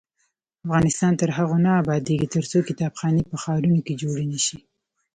افغانستان تر هغو نه ابادیږي، ترڅو کتابخانې په ښارونو کې جوړې نشي.